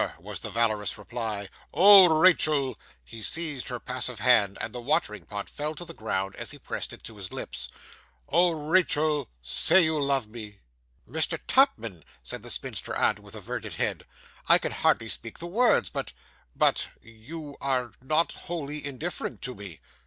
was the valorous reply. 'Oh, Rachael!' He seized her passive hand, and the watering pot fell to the ground as he pressed it to his lips. 'Oh, Rachael! say you love me.' 'Mr. Tupman,' said the spinster aunt, with averted head, 'I can hardly speak the words; but but you are not wholly indifferent to me.